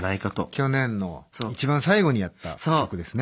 去年の一番最後にやった曲ですね。